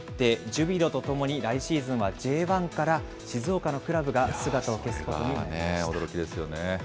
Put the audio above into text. ジュビロとともに来シーズンはＪ１から静岡のクラブが姿を消すことになりました。